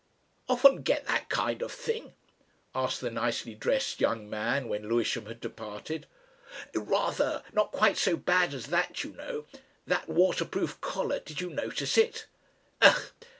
"Often get that kind of thing?" asked the nicely dressed young man when Lewisham had departed. "Rather. Not quite so bad as that, you know. That waterproof collar did you notice it? Ugh!